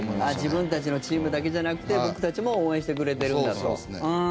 自分たちのチームだけじゃなくて僕たちも応援してくれてるんだと。